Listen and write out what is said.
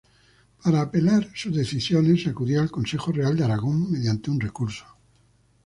Para apelar sus decisiones se acudía al Consejo Real de Aragón mediante un recurso.